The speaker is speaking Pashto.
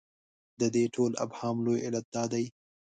د دې ټول ابهام لوی علت دا دی.